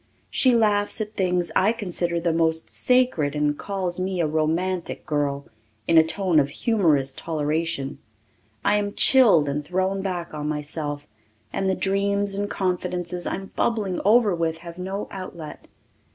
She laughs at things I consider the most sacred and calls me a romantic girl, in a tone of humorous toleration. I am chilled and thrown back on myself, and the dreams and confidences I am bubbling over with have no outlet.